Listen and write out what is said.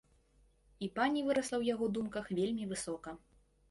І пані вырасла ў яго думках вельмі высока.